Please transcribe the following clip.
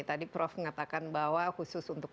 tadi prof mengatakan bahwa khusus untuk